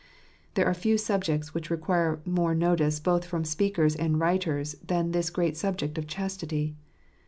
" There are few subjects which require more notice both from speakers and writers than this great subject of chastity.